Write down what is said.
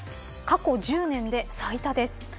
過去１０年で最多です。